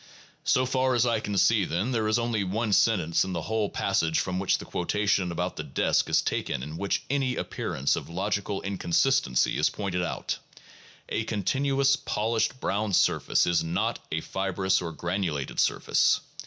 So far as I can see then, there is only one sentence in the whole passage from which the quotation about the desk is taken in which any appearance of logical inconsistency is pointed out: "A continuous polished brown surface is not a fibrous or a granu lated surface."